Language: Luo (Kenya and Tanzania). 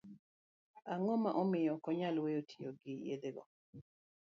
Ang'o ma omiyo okonyal weyo tiyo gi yedhe go?